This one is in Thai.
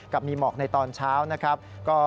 ก็มีเหมาะในตอนเช้านะครับ